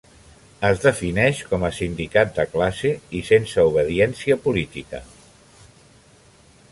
Es defineix com a sindicat de classe i sense obediència política.